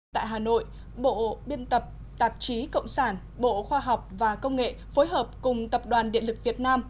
tại hà nội bộ biên tập tạp chí cộng sản bộ khoa học và công nghệ phối hợp cùng tập đoàn điện lực việt nam